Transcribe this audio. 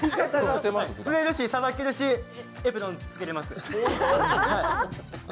釣れるしさばけるしエプロンつけれます。